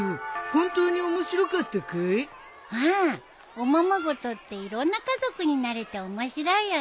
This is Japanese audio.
おままごとっていろんな家族になれて面白いよね。